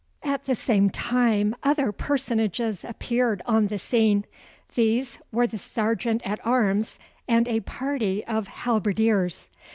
At the same time, other personages appeared on the scene. These were the Serjeant at arms and a party of halberdiers.